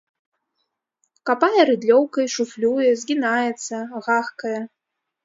Капае рыдлёўкай, шуфлюе, згінаецца, гахкае.